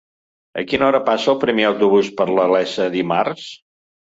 A quina hora passa el primer autobús per la Iessa dimarts?